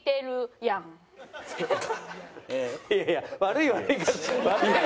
いやいや悪い笑い方。